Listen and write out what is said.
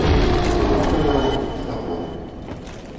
Дубы пры дарогах і таполі.